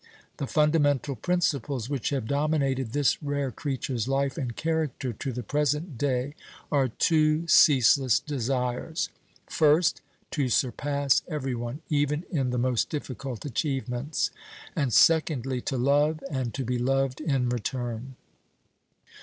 The fundamental principles which have dominated this rare creature's life and character to the present day are two ceaseless desires: first, to surpass every one, even in the most difficult achievements; and, secondly, to love and to be loved in return.